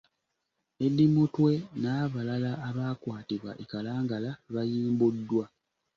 Eddie Mutwe n’abalala abaakwatibwa e Kalangala bayimbuddwa.